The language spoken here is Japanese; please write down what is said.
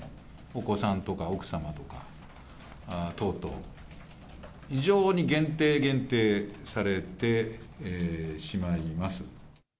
お子さんとか奥様とか等々、非常に限定、限定されてしまいます。